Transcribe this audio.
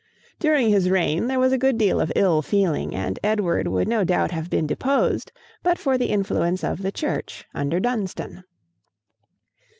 During his reign there was a good deal of ill feeling, and Edward would no doubt have been deposed but for the influence of the church under Dunstan.